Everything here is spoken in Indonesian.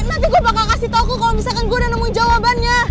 nanti gue bakal kasih tau lo kalo misalkan gue udah nemuin jawabannya